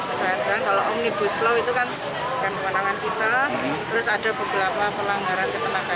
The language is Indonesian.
sesuai dengan kalau omnibus law itu kan kewenangan kita terus ada beberapa pelanggaran ketenagaan